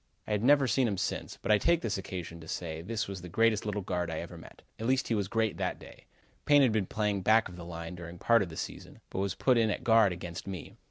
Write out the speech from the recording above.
I have never seen him since, but I take this occasion to say this was the greatest little guard I ever met. At least he was great that day. Payne had been playing back of the line during part of the season, but was put in at guard against me.